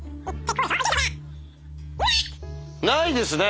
ないですね！